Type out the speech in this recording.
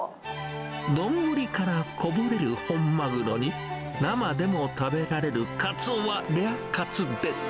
丼からこぼれる本マグロに、生でも食べられるカツオはレアカツで。